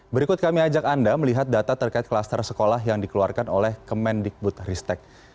berikut kami ajak anda melihat data terkait klaster sekolah yang dikeluarkan oleh kemendikbud ristek